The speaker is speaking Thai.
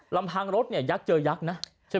รำรถเนี่ยยักษ์เจอยักษ์นะเนี่ย